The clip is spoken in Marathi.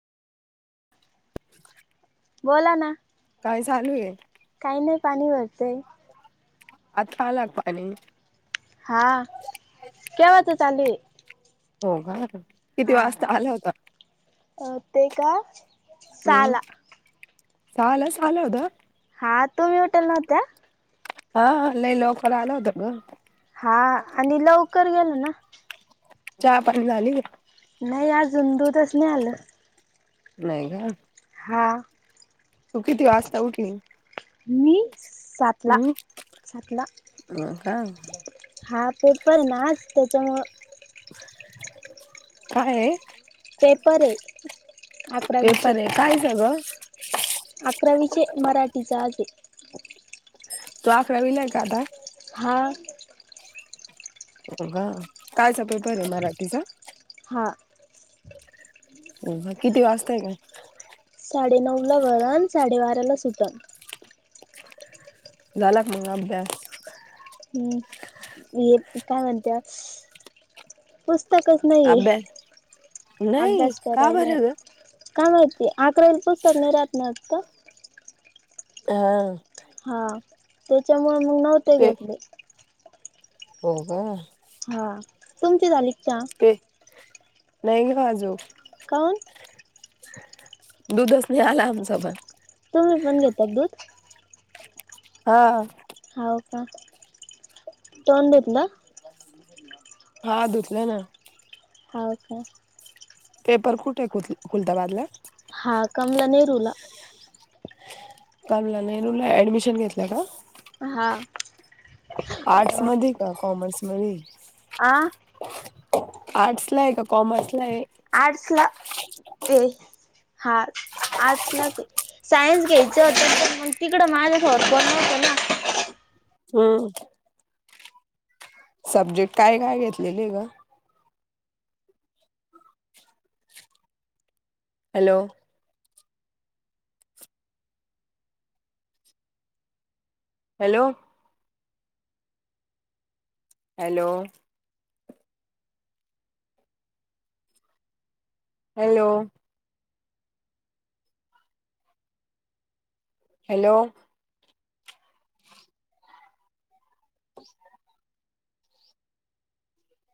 [inaudible] बोला ना काय चालू आहे काही नाही पाणी भरतेय. आता आल का पाणी? हा. केव्हा च आले. हो का किती वाजता आला होत? ते काय सहा ला. सहा ला सहा ला येत. हा तुम्ही ऊटेल नव्हत्या. हा लय लवकर आल होत ग. हा आणि लवकर गेलंना. चहा पाणी झाली. नाही अजून दूधच नाही आलं. नाही का. हा तू किती वाजता उठली? मी सातला हम् सातला हा का. हा पेपर ना आज त्याच्यामुळ, काय आहे? पेपर हे अकरावी पेपर चे. आहे काय झालं? अकरावीचे मराठीचा आज हे तो आकरावीलाये का आता? हा. हो का, कायचा पेपर आहे मराठीचा? हा. हो का, किती वाजताय काय? साडे नऊला भरन, साडेबाराला सुटण. झाला का मग अभ्यास? हम्म, हे काय म्हणत्यात? पुस्तकच नाहीये, अभ्यास नाही अभ्यास का करायला. बरं ग काय माहितीय, अकरावीला पुस्तक नाही राहात ना वाटतं हा. हा, त्याच्यामुळं मंग नव्हते ते घेतले. हो का? हा, तुमची झाली का चहा? ते नाही न आजुक. कौण? दुधच नाही आलं आमचं पण. तुम्ही पण घेतात दूध? हा. हाव का, तोंड धुतलं? हा, धुतला ना. हाव का? पेपर कुठे, खुत्ल खुलताबादला? हा, कमला नेहरूला. कमला नेहरूला ऍडमिशन घेतलंय का? हा. आर्टस मधी का, कॉमर्स मधी? आं? आर्ट्सला आहे का कॉमर्सला आहे? आर्ट्सला हे हा, आर्ट्सला चे. सायन्स घेयचं होतं, पण मग तिकडं माझ्या सोबत कोण नव्हतं ना. हम्म. सब्जेक्ट काय काय घेतलेले गं? Hello. Hello. Hello. Hello. Hello. ह